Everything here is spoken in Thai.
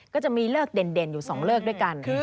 ก็จะมีเลิกเด่นอยู่๒เลิกด้วยกัน